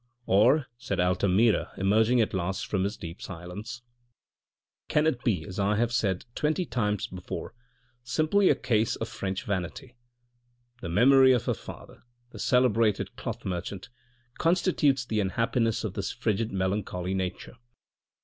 " Or," said Altamira emerging at last from his deep silence, " can it be as I have said twenty times before, simply a case of French vanity ; the memory of her father, the celebrated cloth merchant, constitutes the unhappiness of this frigid melancholy nature.